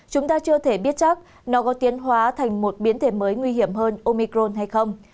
chúng ta chưa thể biết chắc nó có tiến hóa thành một biến thể mới nguy hiểm hơn omicron hay không